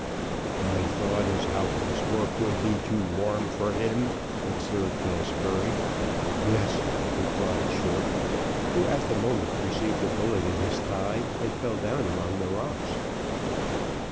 "I thought as how this work would be too warm for him," observed Bill Spurey. "Yes," replied Short, who, at the moment received a bullet in his thigh, and fell down among the rocks.